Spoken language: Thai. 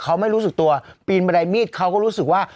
เขาไม่รู้สึกตัวปีนบันไดมีดเขาก็รู้สึกว่า